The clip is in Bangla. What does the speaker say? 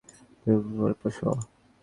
তুমি বিড়াল পোষো।